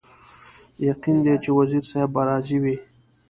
یقین دی چې وزیر صاحب به راضي وي.